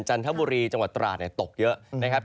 จันทบุรีจังหวัดตราดตกเยอะนะครับ